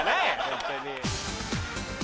ホントに。